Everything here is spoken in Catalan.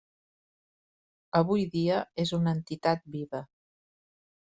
Avui dia és una entitat viva.